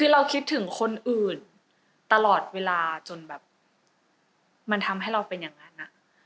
เราคิดถึงคนอื่นตลอดเวลาจนทำให้เราเป็นอย่างงั้น